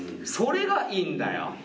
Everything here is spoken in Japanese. それがいいんだよ。